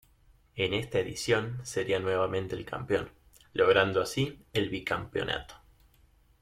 En esta edición sería nuevamente el campeón, logrando así el bicampeonato.